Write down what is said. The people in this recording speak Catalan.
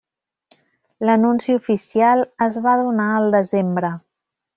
L'anunci oficial es va donar el desembre.